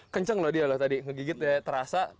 kenceng loh dia loh tadi ngegigit ya terasa